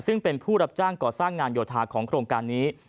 ซึ่งเป็นผู้รับจ้างก่อสร้างงานโยธาของโครงการนี้